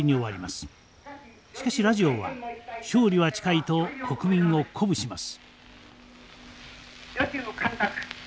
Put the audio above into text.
しかしラジオは勝利は近いと国民を鼓舞します。